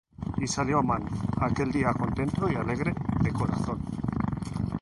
Y salió Amán aquel día contento y alegre de corazón;